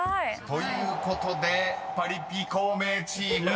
［ということでパリピ孔明チーム